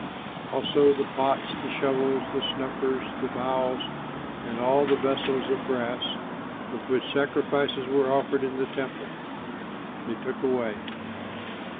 Also the pots, the shovels, the snuffers, the bowls, and all the vessels of brass, with which sacrifices were offered in the temple, they took away.